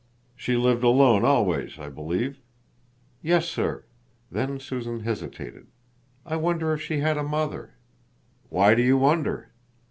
"She lived alone always, I believe?" "Yes, sir." Then Susan hesitated. "I wonder if she had a mother?" "Why do you wonder?"